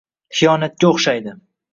Xiyonatga o’xshaydi.